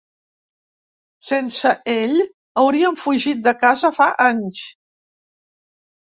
Sense ell hauríem fugit de casa fa anys.